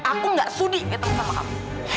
aku gak studi ketemu sama kamu